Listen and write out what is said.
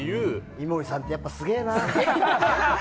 井森さんってやっぱすげえな。